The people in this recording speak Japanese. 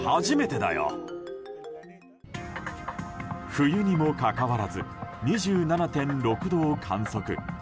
冬にもかかわらず２７．６度を観測。